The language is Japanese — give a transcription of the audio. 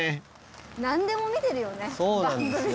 何でも見てるよね番組。